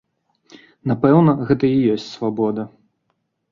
Напэўна, гэта і ёсць свабода.